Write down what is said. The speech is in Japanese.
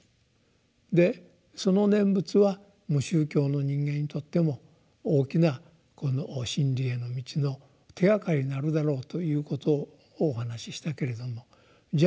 でその「念仏」は無宗教の人間にとっても大きな真理への道の手がかりになるだろうということをお話ししたけれどもじゃ